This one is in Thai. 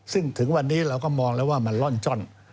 ซึ่งถึงวันนี้เราก็มองแล้วว่ามันร่อนจ้อน